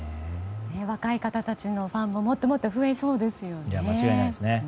若い方たちのファンももっと増えそうですよね。